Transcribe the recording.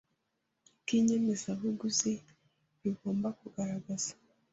bw inyemezabuguzi rigomba kugaragaza